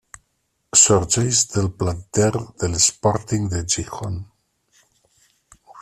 Sorgeix del planter de l'Sporting de Gijón.